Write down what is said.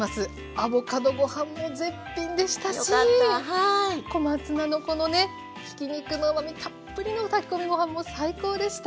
アボカドご飯も絶品でしたし小松菜のこのねひき肉のうまみたっぷりの炊き込みご飯も最高でした！